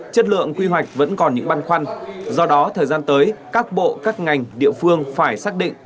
chất lượng quy hoạch vẫn còn những băn khoăn do đó thời gian tới các bộ các ngành địa phương phải xác định